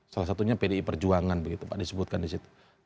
salah satunya pdi perjuangan pak disebutkan disitu